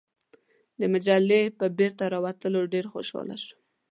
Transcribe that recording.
د مجلې په بیرته راوتلو ډېر خوشاله شوم.